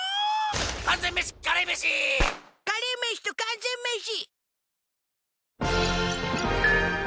完全メシカレーメシカレーメシと完全メシ